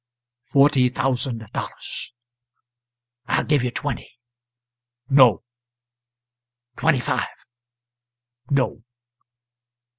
"Forty thousand dollars." "I'll give you twenty." "No." "Twenty five." "No."